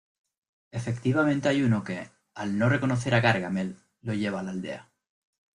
Efectivamente hay uno que, al no reconocer a Gargamel, lo lleva a la aldea.